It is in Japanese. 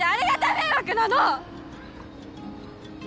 迷惑なの！